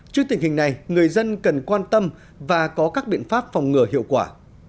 trước tình hình này người dân cần quan tâm và có các biện pháp phòng ngừa hiệu quả